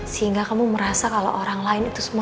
sehingga kamu merasa kalau orang lain itu semua